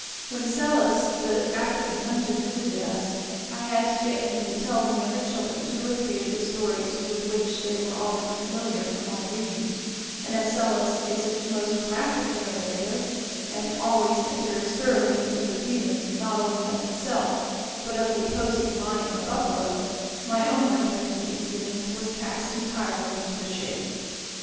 When Selous, the African hunter, visited us, I had to get him to tell to the younger children two or three of the stories with which they were already familiar from my reading; and as Selous is a most graphic narrator, and always enters thoroughly into the feeling not only of himself but of the opposing lion or buffalo, my own rendering of the incidents was cast entirely into the shade.